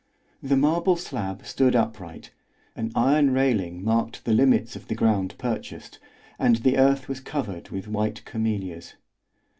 The marble slab stood upright, an iron railing marked the limits of the ground purchased, and the earth was covered with white camellias.